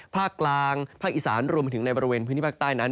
ภาคกลางภาคอีสานรวมไปถึงในบริเวณพื้นที่ภาคใต้นั้น